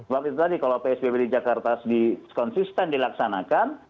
waktu itu tadi kalau psbb di jakarta konsisten dilaksanakan